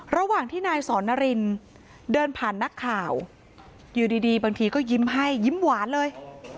ระหว่างที่นายสอนนารินเดินผ่านนักข่าวอยู่ดีบางทีก็ยิ้มให้ยิ้มหวานเลย